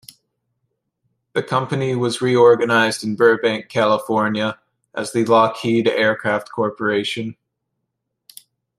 The company was reorganized in Burbank, California as the Lockheed Aircraft Corporation.